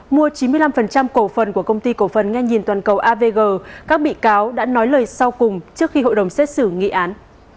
mua chín mươi năm cổ phần của công ty cổ phần nghe nhìn toàn cầu avg các bị cáo đã nói lời sau cùng trước khi hội đồng xét xử nghị án